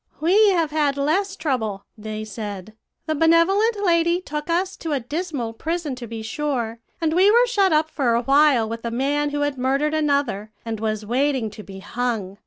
"'We have had less trouble,' they said. 'The benevolent lady took us to a dismal prison, to be sure, and we were shut up for a while with a man who had murdered another, and was waiting to be hung.